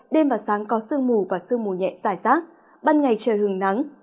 đêm và sáng có sương mù và sương mù nhẹ giải rác ban ngày trời hưởng nắng